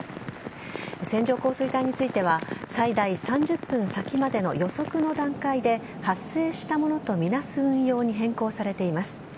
線状降水帯については最大３０分先までの予測の段階で発生したものとみなす運用に変更されています。